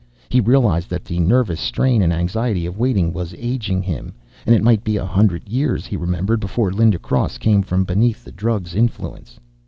He realized that the nervous strain and anxiety of waiting was aging him. And it might be a hundred years, he remembered, before Linda Cross came from beneath the drug's influence.